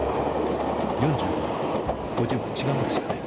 ４５と５０は違うんですよね。